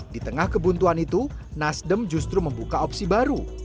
di tengah kebuntuan itu nasdem justru membuka opsi baru